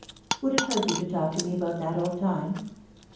Would it hurt you to talk to me about that old time